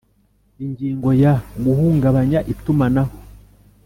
Ingingo ya guhungabanya itumanaho